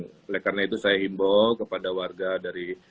oleh karena itu saya himbau kepada warga dari